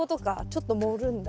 ちょっと盛るんだ。